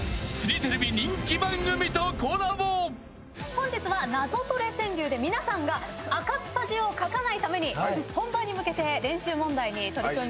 本日は『ナゾトレ川柳』で皆さんが赤っ恥をかかないために本番に向けて練習問題に取り組んで。